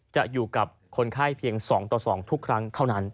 จะอยู่กับคนไข้เพียง๒ต่อ๒ทุกครั้งเท่านั้น